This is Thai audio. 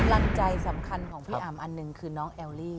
กำลังใจสำคัญของพี่อำอันหนึ่งคือน้องแอลลี่